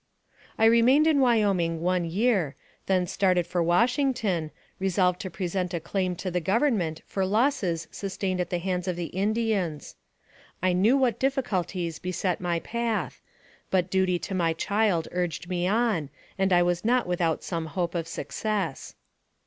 I remained in Wyoming one year, then started for Washington, resolved to present a claim to the Gov ernment for losses sustained at the hands of the In dians. I knew what difficulties beset my path, but duty to my child urged me on, and I was not without some hope of success.